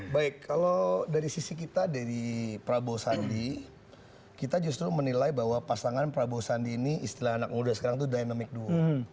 baik kalau dari sisi kita dari prabowo sandi kita justru menilai bahwa pasangan prabowo sandi ini istilah anak muda sekarang itu dynamic duo